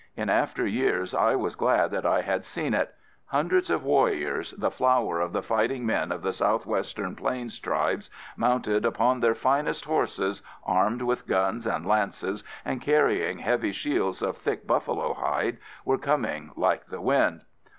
In after years I was glad that I had seen it. Hundreds of warriors, the flower of the fighting men of the Southwestern Plains tribes, mounted upon their finest horses, armed with guns and lances, and carrying heavy shields of thick buffalo hide, were coming like the wind.